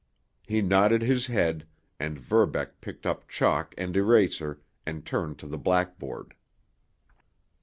He nodded his head, and Verbeck picked up chalk and eraser and turned to the blackboard.